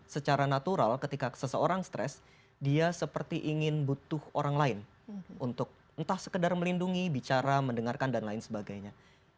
secara natural ketika seseorang stres dia seperti ingin butuh orang lain untuk entah sekedar melindungi bicara mendengarkan dan lain sebagainya